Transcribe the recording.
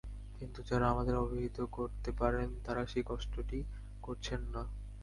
কিন্তু যাঁরা আমাদের অবহিত করতে পারেন, তাঁরা সেই কষ্টটি করছেন না।